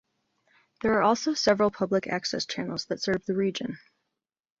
There are also several public access channels that serve the region.